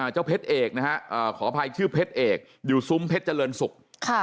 เจ้าเพชรเอกนะฮะขออภัยชื่อเพชรเอกอยู่ซุ้มเพชรเจริญศุกร์